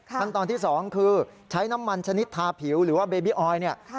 ขั้นตอนที่๒คือใช้น้ำมันชนิดทาผิวหรือว่าเบบี้ออยเนี่ย